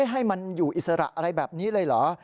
ให้มันอยู่อิสระอะไรแบบนี้เลยเหรอ